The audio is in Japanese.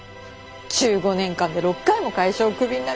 １５年間で６回も会社をクビになるなんて。